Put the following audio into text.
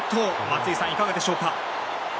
松井さん、いかがでしょうか。